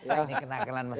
ini kenang kenang mas adi